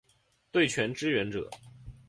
对拳支援者